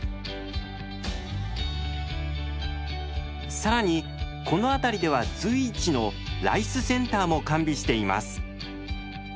更にこの辺りでは随一のライスセンターも完備しています。